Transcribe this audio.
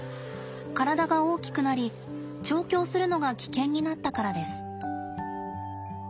体が大きくなり調教するのが危険になったからです。